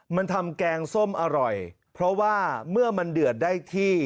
มันทำแกงส้มอร่อยเพราะว่าเมื่อมันเดือดได้ที่